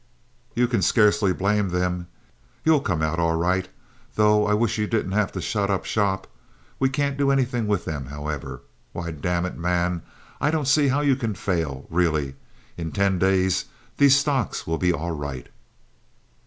You can scarcely blame them. You'll come out all right, though I wish you didn't have to shut up shop. We can't do anything with them, however. Why, damn it, man, I don't see how you can fail, really. In ten days these stocks will be all right."